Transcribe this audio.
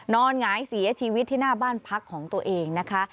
หงายเสียชีวิตที่หน้าบ้านพักของตัวเองนะคะ